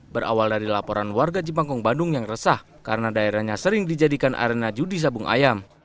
berawal dari laporan warga cimangkung bandung yang resah karena daerahnya sering dijadikan arena judi sabung ayam